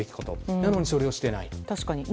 なのにそれをしていない。